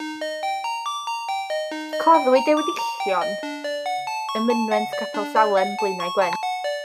Claddwyd ei weddillion ym mynwent Capel Salem, Blaenau Gwent.